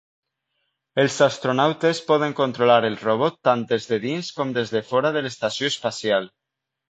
Els astronautes poden controlar el robot tant des de dins com des de fora de l'estació espacial.